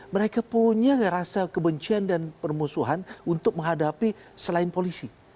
mereka punya rasa kebencian dan permusuhan untuk menghadapi selain polisi